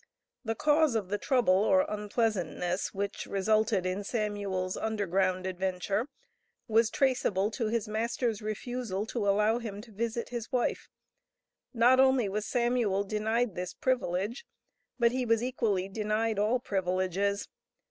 The cause of the trouble or unpleasantness, which resulted in Samuel's Underground adventure, was traceable to his master's refusal to allow him to visit his wife. Not only was Samuel denied this privilege, but he was equally denied all privileges.